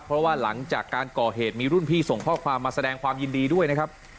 เพราะว่าหลังจากการก่อเหตุมีรุ่นพี่ส่งข้อความมาแสดงความยินดีด้วยนะครับ